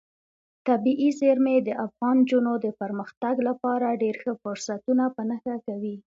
طبیعي زیرمې د افغان نجونو د پرمختګ لپاره ډېر ښه فرصتونه په نښه کوي.